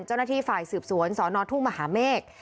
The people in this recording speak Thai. เจ้าหน้าที่ฝ่ายสืบสวนสนทุ่งมหาเมฆ